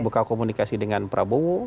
buka komunikasi dengan prabowo